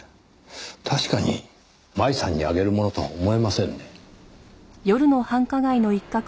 確かに麻衣さんにあげるものとは思えませんね。